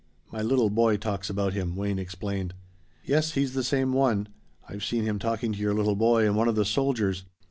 "My little boy talks about him," Wayne explained. "Yes, he's the same one. I've seen him talking to your little boy and one of the soldiers.